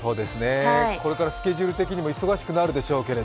これからスケジュール的にも忙しくなるでしょうけど。